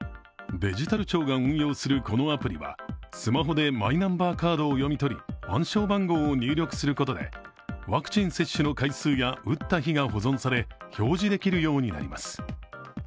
デジタル庁が運用するこのアプリはスマホでマイナンバーカードを読み取り、暗証番号を入力することでワクチン接種の回数や打った日が保存され、表示できるようになります。